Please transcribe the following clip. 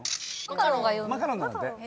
マカロンなんだって。